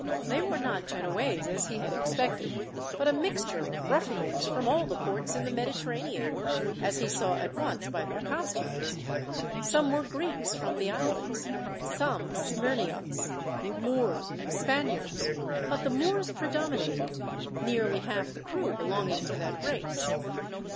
They were not Genoese, as he had expected, but a mixture of ruffians from all the ports in the Mediterranean, as he saw at once by their costumes. Some were Greeks from the islands, some Smyrniots, Moors, and Spaniards; but the Moors predominated, nearly half the crew belonging to that race.